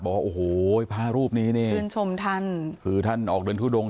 บอกโอ้โหพระรูปนี้นี่ชื่นชมท่านคือท่านออกเดินทุดง